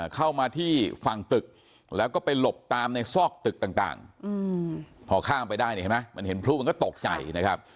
เข้ามาที่ฝั่งตึกแล้วก็ไปหลบตามในซอกตึกต่างพอข้ามไปได้เนี่ยเห็นไหมมันเห็นพลุมันก็ตกใจนะครับ